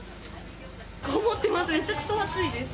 こもってます、めちゃくちゃ暑いです。